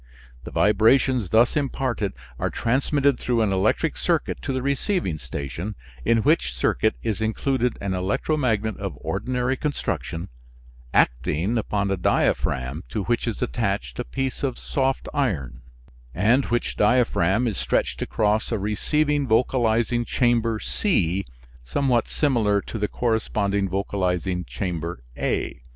The vibrations thus imparted are transmitted through an electric circuit to the receiving station, in which circuit is included an electromagnet of ordinary construction, acting upon a diaphragm to which is attached a piece of soft iron, and which diaphragm is stretched across a receiving vocalizing chamber C, somewhat similar to the corresponding vocalizing chamber A.